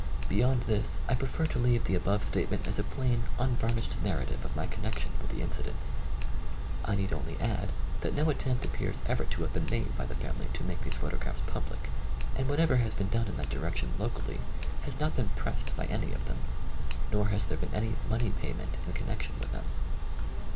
Beyond this I prefer to leave the above statement as a plain, unvarnished narrative of my connec tion with the incidents. I need only add that no attempt appears ever to have been made by the family to make these photographs public, and what ever has been done in that direction locally has not been pressed by any of them, nor has there been any money payment in con nection with them.